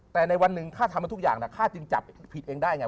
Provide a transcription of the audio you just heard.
แต่ในวันหนึ่งข้าทำให้ทุกอย่างข้าจึงจับผิดเองได้ไง